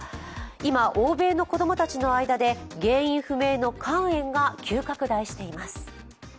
今、欧米の子供たちの間で原因不明の肝炎が急拡大しています。